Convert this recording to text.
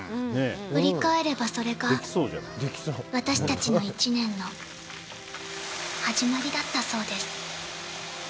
振り返れば、それが私たちの１年の始まりだったそうです。